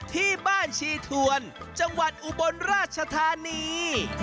ที่บ้านชีทวนจังหวัดอุบลราชธานี